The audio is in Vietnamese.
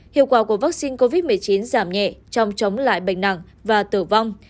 hiệu quả của vaccine covid một mươi chín giảm nhẹ trong chống lại bệnh nặng và tử vong